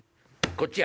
こっちや！